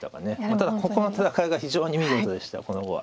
ただここの戦いが非常に見事でしたこの碁は。